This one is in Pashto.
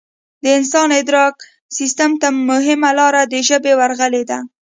د انسان ادراک سیستم ته مهمه لار د ژبې ورغلې ده